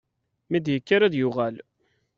Mi d-yekker ad yuɣal.